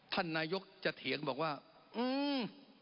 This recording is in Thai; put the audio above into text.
ท่านนายกจะเถียงบอกว่าอืม